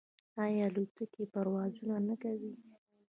آیا الوتکې پروازونه نه کوي؟